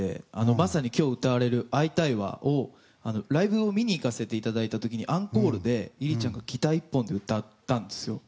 まさに今日、歌われる「会いたいわ」をライブを見に行かせていただいた時にアンコールでｉｒｉちゃんがギター１本で歌ったんですよ。